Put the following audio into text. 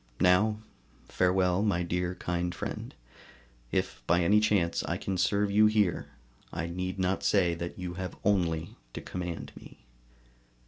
Now, farewell, my dear kind friend! If by any chance I can serve you here, I need not say that you have only to command me.